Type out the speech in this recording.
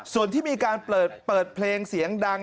ส่วนที่มีการเปิดเพลงเสียงดัง